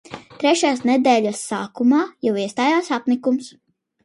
Trešās nedēļas sākumā jau iestājās apnikums.